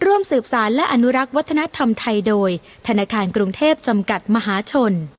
ร่วมสืบสารและอนุรักษ์วัฒนธรรมไทยโดยธนาคารกรุงเทพจำกัดมหาชน